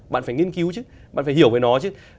bạn phải nghiên cứu chứ bạn phải hiểu về nó chứ